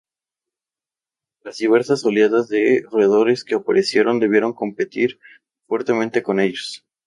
Las diversas oleadas de roedores que aparecieron debieron competir fuertemente con ellos.